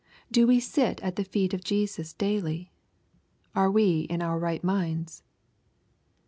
Do 'we sit at the feet of Jesus daily ? Are we in our right minds